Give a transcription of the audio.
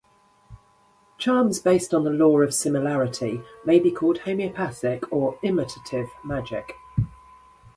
Charms based on the Law of Similarity may be called homeopathic or imitative magic.